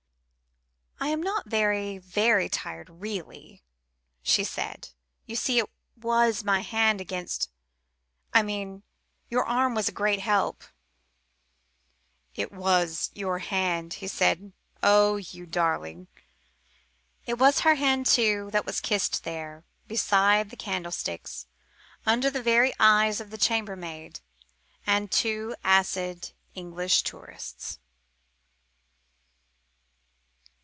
"I am not very, very tired, really," she said. "You see, it was my hand against I mean your arm was a great help " "It was your hand," he said. "Oh, you darling!" It was her hand, too, that was kissed there, beside the candlesticks, under the very eyes of the chambermaid and two acid English tourists.